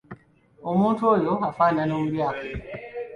Omuntu oyo afaanana omulyake.